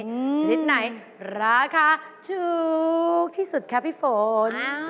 ชนิดไหนราคาถูกที่สุดคะพี่ฝน